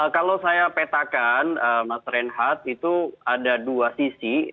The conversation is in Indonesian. kalau saya petakan mas renhat itu ada dua sisi